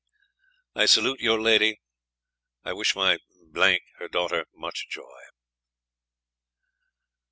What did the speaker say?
"I salute yr lady I wish my ............ her Daughter much Joy."